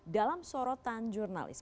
dalam sorotan jurnalis